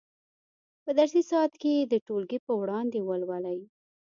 په درسي ساعت کې یې د ټولګي په وړاندې ولولئ.